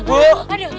aduh aduh aduh